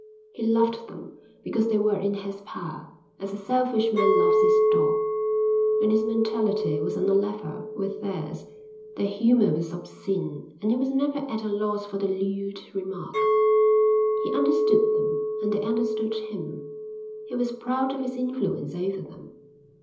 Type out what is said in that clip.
He loved them because they were in his power, as a selfish man loves his dog, and his mentality was on a level with theirs. Their humour was obscene and he was never at a loss for the lewd remark. He understood them and they understood him. He was proud of his influence over them.